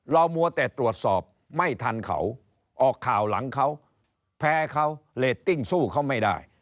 มัวแต่ตรวจสอบไม่ทันเขาออกข่าวหลังเขาแพ้เขาเรตติ้งสู้เขาไม่ได้